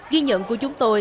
ghi nhận của chúng tôi